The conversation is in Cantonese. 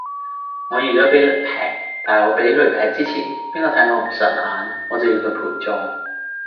我預咗俾雷劈，但係我俾雷劈之前，邊個睇我唔順眼，我就要佢陪葬。